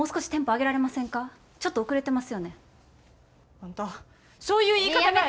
あんたそういう言い方がやな。